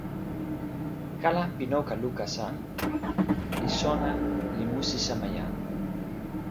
kala pi noka luka san li sona li musi sama jan.